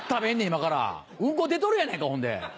今からウンコ出とるやないかほんで。